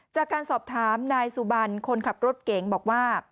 จากการสอบถามนายสุบันคนขับรถเก๋งบอกว่า